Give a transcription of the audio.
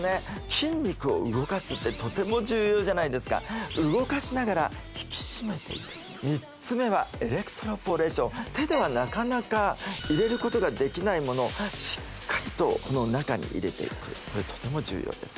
筋肉を動かすってとても重要じゃないですか動かしながら引き締めていく３つ目は手ではなかなか入れることができないものをしっかりとこの中に入れていくこれとても重要です